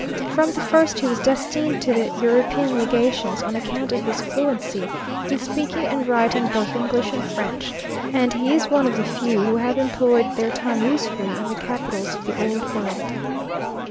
From the first he was destined to the European legations, on account of his fluency in speaking and writing both English and French; and he is one of the few who have employed their time usefully in the capitals of the Old World.